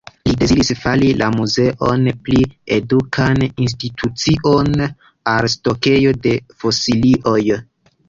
Li deziris fari la Muzeon pli edukan institucion, ol stokejo de fosilioj.